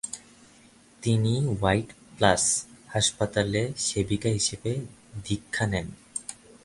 তিনি White Plains হাসপাতালে সেবিকা হিসেবে দীক্ষা নেন।